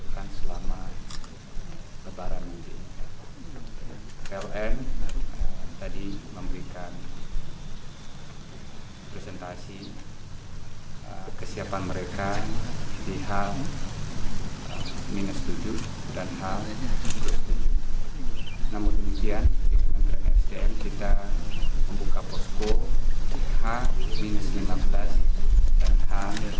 kita membuka posko h lima belas dan h lima belas